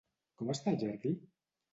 Com està el jardí?